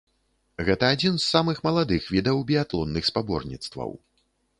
Гэта адзін з самых маладых відаў біятлонных спаборніцтваў.